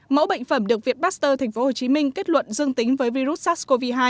mẫu bệnh phẩm được việt baxter thành phố hồ chí minh kết luận dương tính với virus sars cov hai